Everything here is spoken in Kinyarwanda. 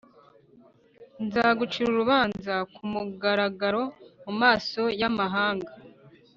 nzagucira urubanza ku mugaragaro mu maso y’amahanga